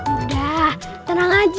udah tenang aja